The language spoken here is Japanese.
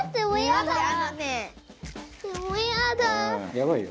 「やばいよ」